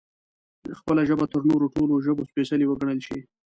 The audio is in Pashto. خپله ژبه تر نورو ټولو ژبو سپېڅلې وګڼل شي